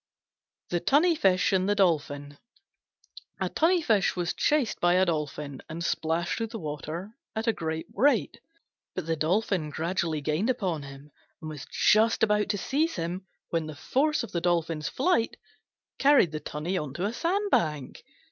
THE TUNNY FISH AND THE DOLPHIN A Tunny fish was chased by a Dolphin and splashed through the water at a great rate, but the Dolphin gradually gained upon him, and was just about to seize him when the force of his flight carried the Tunny on to a sandbank.